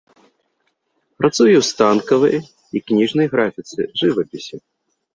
Працуе ў станковай і кніжнай графіцы, жывапісе.